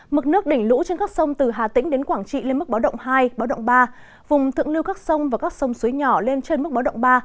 mực nước đỉnh lũ trên các sông từ hà tĩnh đến quảng trị lên mức báo động hai báo động ba vùng thượng lưu các sông và các sông suối nhỏ lên trên mức báo động ba